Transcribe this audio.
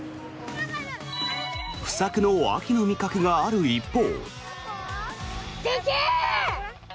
不作の秋の味覚がある一方。